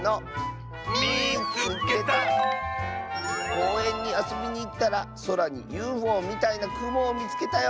「こうえんにあそびにいったらそらにＵＦＯみたいなくもをみつけたよ」。